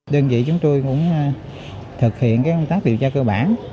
đơn vị chúng tôi cũng thực hiện công tác điều tra cơ bản